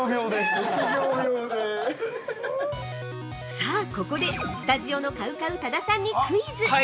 ◆さあ、ここでスタジオのＣＯＷＣＯＷの多田さんにクイズ。